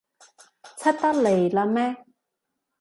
出得嚟喇咩？